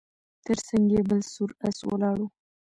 تر څنګ یې بل سور آس ولاړ و